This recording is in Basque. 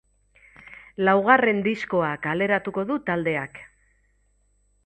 Laugarren diskoa kaleratuko du taldeak.